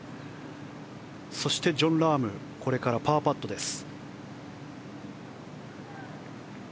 そしてジョン・ラームパーパットです。